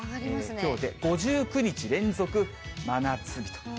きょうで５９日連続真夏日と。